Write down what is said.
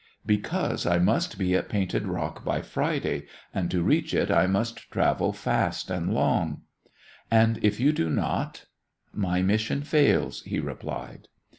"Because I must be at Painted Rock by Friday, and to reach it I must travel fast and long." "And if you do not?" "My mission fails," he replied.